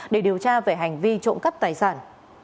để điều tra về hành vi trộm cắp tài sản